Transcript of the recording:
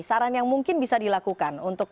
saran yang mungkin bisa dilakukan untuk